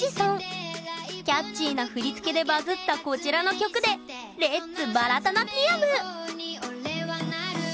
キャッチーな振り付けでバズったこちらの曲でレッツバラタナティヤム！